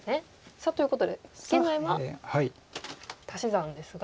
さあということで現在は足し算ですが。